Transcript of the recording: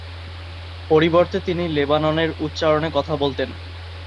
পরিবর্তে তিনি লেবাননের উচ্চারণে কথা বলতেন।